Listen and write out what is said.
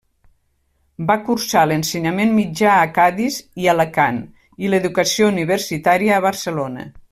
Va cursar l'ensenyament mitjà a Cadis i Alacant, i l'educació universitària a Barcelona.